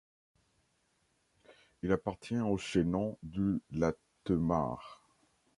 Il appartient au chaînon du Latemar.